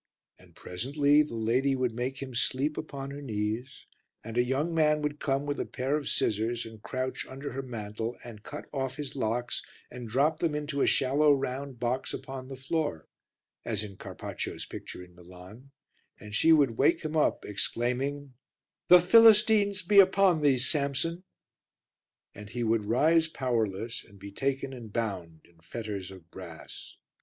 And presently the lady would make him sleep upon her knees and a young man would come with a pair of scissors and crouch under her mantle and cut off his locks and drop them into a shallow round box upon the floor, as in Carpaccio's picture in Milan, and she would wake him up, exclaiming "The Philistines be upon thee, Samson," and he would rise powerless and be taken and bound in fetters of brass.